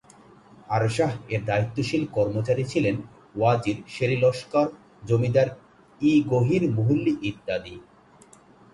আরসাহ এর দায়িত্বশীল কর্মচারী ছিলেন ওয়াজির, শর-ই-লস্কর, জমাদার-ই-গহির মুহল্লী ইত্যাদি।